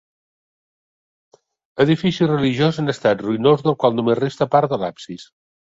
Edifici religiós en estat ruïnós del qual només resta part de l'absis.